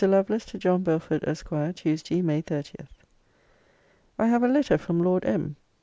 LOVELACE, TO JOHN BELFORD, ESQ. TUESDAY, MAY 30. I have a letter from Lord M.